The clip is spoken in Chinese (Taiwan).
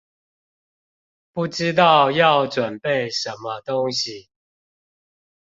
不知道要準備什麼東西